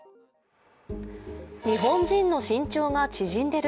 日本人の身長が縮んでる？